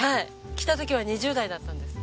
来た時は２０代だったんです。